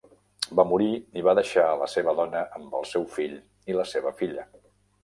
Va morir i va deixar a la seva dona amb el seu fill i la seva filla.